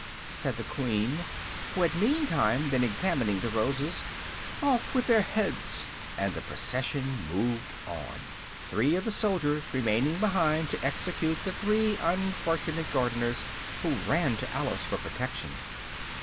said the Queen, who had meantime been examining the roses, "off with their heads!" and the procession moved on, three of the soldiers remaining behind to execute the three unfortunate gardeners, who ran to Alice for protection.